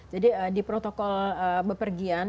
jadi di protokol berpergian